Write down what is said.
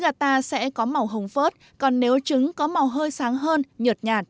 gà sẽ có màu hồng phớt còn nếu trứng có màu hơi sáng hơn nhợt nhạt